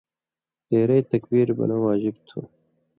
تېرئ تکبیرہ بنٶں واجب تھُو۔